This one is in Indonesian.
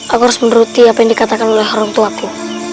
aku harus meneruti apa yang dikatakan oleh orangtuaku